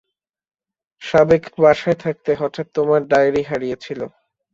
সাবেক বাসায় থাকতে হঠাৎ তোমার ডায়ারি হারিয়েছিল।